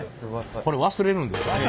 これ忘れるんですよね。